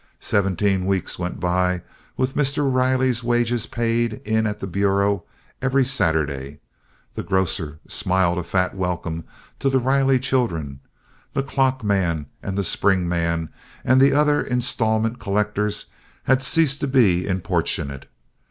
Seventeen weeks went by with Mr. Riley's wages paid in at the Bureau every Saturday; the grocer smiled a fat welcome to the Riley children, the clock man and the spring man and the other installment collectors had ceased to be importunate.